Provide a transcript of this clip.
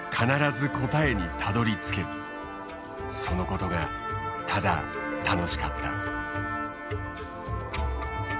そのことがただ楽しかった。